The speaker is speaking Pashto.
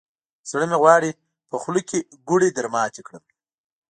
زړه مې غواړي، په خوله کې ګوړې درماتې کړم.